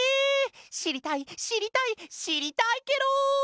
しりたいしりたいしりたいケロ！